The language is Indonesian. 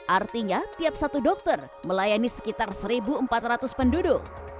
artinya tiap satu dokter melayani sekitar satu empat ratus penduduk